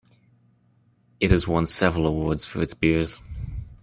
It has won several awards for its beers.